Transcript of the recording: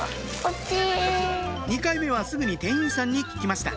２回目はすぐに店員さんに聞きました